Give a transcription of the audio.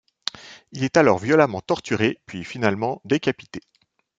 Il est alors violemment torturé puis finalement décapité.